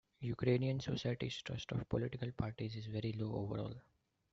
Ukrainian society's trust of political parties is very low overall.